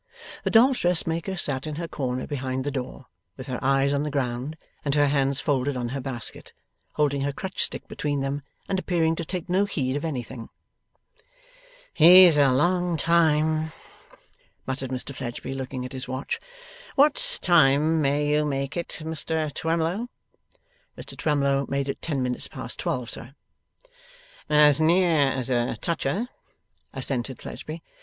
The dolls' dressmaker sat in her corner behind the door, with her eyes on the ground and her hands folded on her basket, holding her crutch stick between them, and appearing to take no heed of anything. 'He's a long time,' muttered Mr Fledgeby, looking at his watch. 'What time may you make it, Mr Twemlow?' Mr Twemlow made it ten minutes past twelve, sir. 'As near as a toucher,' assented Fledgeby.